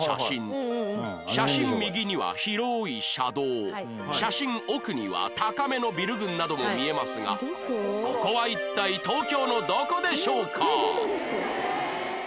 写真右には広い車道写真奥には高めのビル群なども見えますがここは一体東京のどこでしょうか？